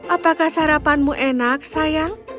apakah sarapanmu enak sayang